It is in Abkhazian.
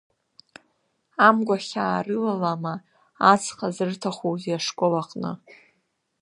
Амгәахьаа рылалама, ацха зырҭахузеи ашкол аҟны?